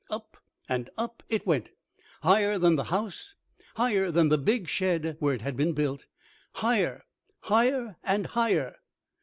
Up and up it went, higher than the house, higher than the big shed where it had been built, higher, higher, higher!